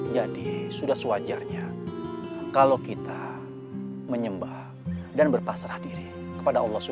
jadi sudah sewajarnya kalau kita menyembah dan berpasrah diri kepada allah swt